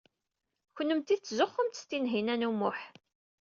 Kennemti tettzuxxumt s Tinhinan u Muḥ.